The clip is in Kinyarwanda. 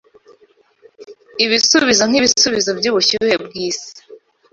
Ibisubizo nkibisubizo byubushyuhe bwisi